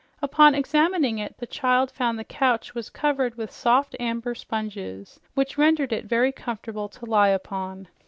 Upon examining it, the child found the couch was covered with soft, amber sponges, which rendered it very comfortable to lie upon.